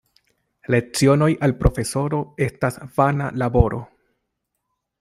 Lecionoj al profesoro estas vana laboro.